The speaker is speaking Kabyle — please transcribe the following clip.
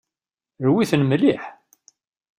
Rwi-ten mliḥ.